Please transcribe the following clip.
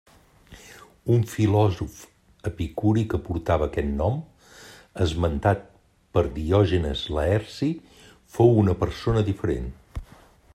Un filòsof epicuri que portava aquest nom, esmentat per Diògenes Laerci, fou una persona diferent.